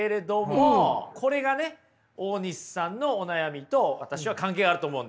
これがね大西さんのお悩みと私は関係あると思うんです。